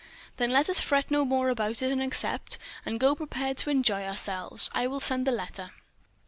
"Then let us fret no more about it, but accept, and go prepared to enjoy ourselves. I will send the letter."